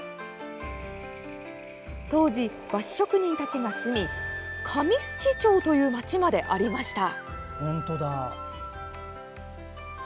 当時、和紙職人たちが住み紙漉町という町までありました。